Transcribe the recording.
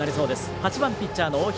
８番ピッチャーの大平。